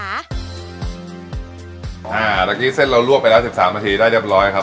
อ่าเส้นเราร่วมไปแล้ว๑๓นาทีได้เรียบร้อยครับผม